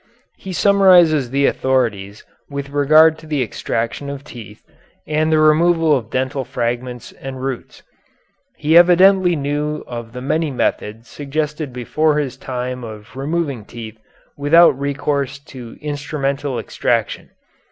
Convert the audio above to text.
He summarizes the authorities with regard to the extraction of teeth and the removal of dental fragments and roots. He evidently knew of the many methods suggested before his time of removing teeth without recourse to instrumental extraction.